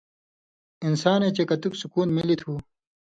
انسانے چےۡ کتک سکُون ملیۡ تُھو